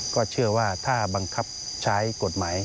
ก็เชื่อว่าถ้าบังคับใช้กฎหมาย